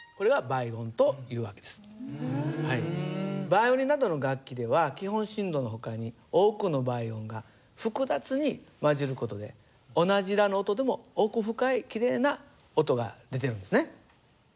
バイオリンなどの楽器では基本振動のほかに多くの倍音が複雑に混じる事で同じラの音でも奥深いきれいな音が出てるんですね。